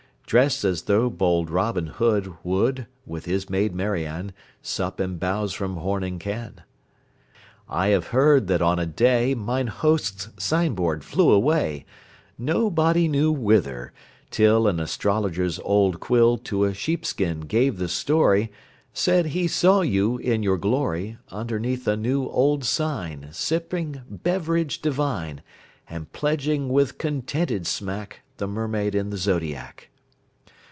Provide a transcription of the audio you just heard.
Drest as though bold Robin Hood 10 Would, with his maid Marian, Sup and bowse from horn and can. I have heard that on a day Mine host's sign board flew away, Nobody knew whither, till An astrologer's old quill To a sheepskin gave the story, Said he saw you in your glory, Underneath a new old sign Sipping beverage divine, 20 And pledging with contented smack The Mermaid in the Zodiac.